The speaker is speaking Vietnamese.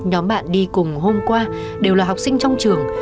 nhóm bạn đi cùng hôm qua đều là học sinh trong trường